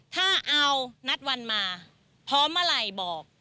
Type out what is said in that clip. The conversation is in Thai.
ถ้าเอานัดวันมาพร้อมเมื่อไหร่บอก